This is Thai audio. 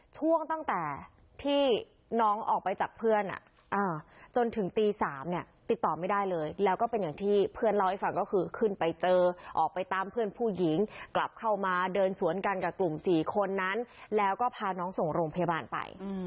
ช่วงตั้งแต่ที่น้องออกไปจากเพื่อนจนถึงตี๓เนี่ยติดต่อไม่ได้เลยแล้วก็เป็นอย่างที่เพื่อนเล่าให้ฟังก็คือขึ้นไปเจอออกไปตามเพื่อนผู้หญิงกลับเข้ามาเดินสวนกันกับกลุ่ม๔คนนั้นแล้วก็พาน้องส่งโรงพยาบาลไป